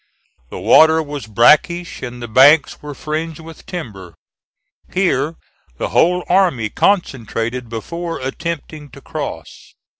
The water was brackish and the banks were fringed with timber. Here the whole army concentrated before attempting to cross.